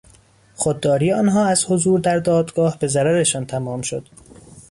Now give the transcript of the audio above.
خودداری آنها از حضور در دادگاه به ضررشان تمام شد.